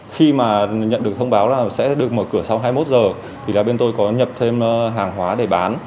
khi mà nhận được thông báo là sẽ được mở cửa sau hai mươi một giờ thì là bên tôi có nhập thêm hàng hóa để bán